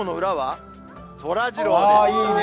そらジローです。